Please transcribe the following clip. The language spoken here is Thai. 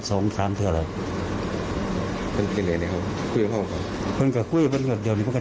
บ้านหรือกับบ้านโฮต้องเศร้าเนี่ยครับ